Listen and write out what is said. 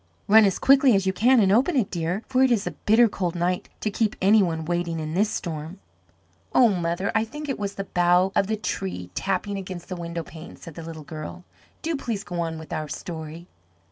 "Run as quickly as you can and open it, dear, for it is a bitter cold night to keep any one waiting in this storm." "Oh, mother, I think it was the bough of the tree tapping against the window pane," said the little girl. "Do please go on with our story."